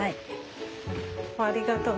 ありがとう。